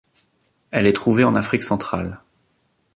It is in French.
Elle est trouvée en Afrique Centrale.